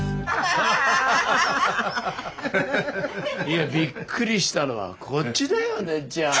いやびっくりしたのはこっちだよねっちゃん。